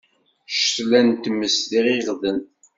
Ccetla n tmes d iɣiɣden.